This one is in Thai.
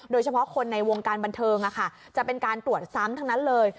โดยเฉพาะคนในวงการบันเทิงจะเป็นการตรวจซ้ำทั้งนั้นเลย